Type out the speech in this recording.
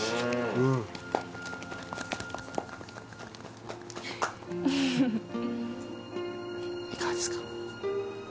うんいかがですか？